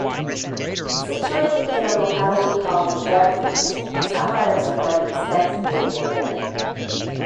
Situated in a locality called The Gemfields, sapphires are mined extensively in the area.